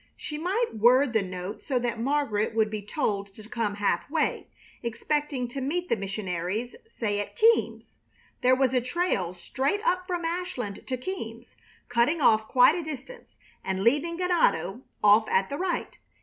She might word the note so that Margaret would be told to come half way, expecting to meet the missionaries, say at Keams. There was a trail straight up from Ashland to Keams, cutting off quite a distance and leaving Ganado off at the right.